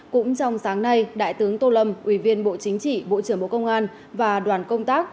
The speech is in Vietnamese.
cũng trong sáng nay đại tướng tô lâm ủy viên bộ chính trị bộ trưởng bộ công an và đoàn công tác